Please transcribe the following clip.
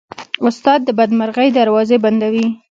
استاد د بدمرغۍ دروازې بندوي.